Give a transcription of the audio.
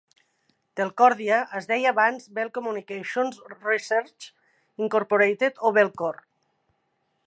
Telcordia es deia abans Bell Communications Research, Incorporated, o Bellcore.